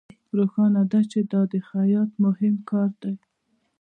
روښانه ده چې دا د خیاط مهم کار دی